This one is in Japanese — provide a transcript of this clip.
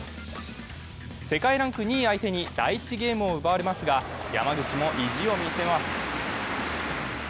世界ランク２位相手に第１ゲームを奪われますが、山口も意地を見せます。